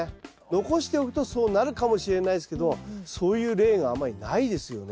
残しておくとそうなるかもしれないですけどそういう例があまりないですよね。